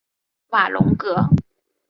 瓦龙格。